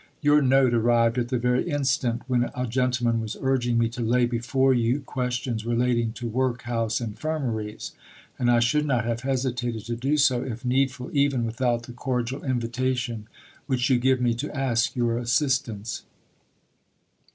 Your note arrived at the very instant when a gentleman was urging me to lay before you questions relating to Workhouse Infirmaries, and I should not have hesitated to do so if needful even without the cordial invitation which you give me to ask your assistance.